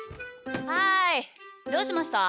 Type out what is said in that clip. はいどうしました？